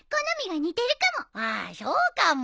あそうかも。